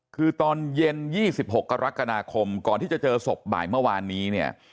คือตอนเย็น๒๖กรกฎาคมก่อนที่จะเจอศพบ่ายเมื่อวานนี้เนี่ย